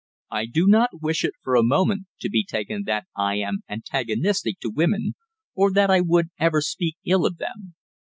I do not wish it for a moment to be taken that I am antagonistic to women, or that I would ever speak ill of them.